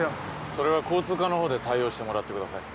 それは交通課の方で対応してもらってください。